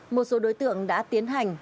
một số đối tượng đã tiến hành